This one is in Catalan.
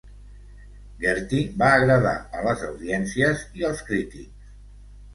"Gertie" va agradar a les audiències i als crítics.